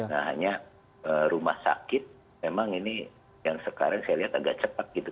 nah hanya rumah sakit memang ini yang sekarang saya lihat agak cepat gitu